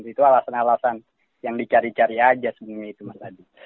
itu alasan alasan yang dicari cari aja sebenarnya itu mas adi